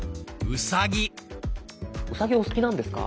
うさぎお好きなんですか？